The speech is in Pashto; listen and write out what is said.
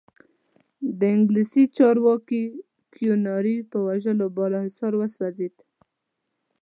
د انګلیسي چارواکي کیوناري په وژلو بالاحصار وسوځېد.